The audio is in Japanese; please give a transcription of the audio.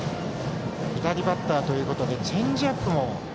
左バッターということでチェンジアップも。